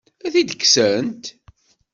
Ad t-id-kksent?